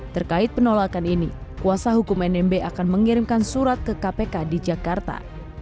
terkait penolakan ini kuasa hukum nmb akan mengirimkan surat ke kpk di jakarta